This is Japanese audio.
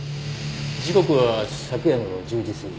時刻は昨夜の１０時過ぎ。